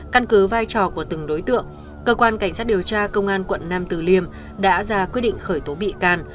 căn cứ vai trò của từng đối tượng cơ quan cảnh sát điều tra công an quận nam từ liêm đã ra quyết định khởi tố bị can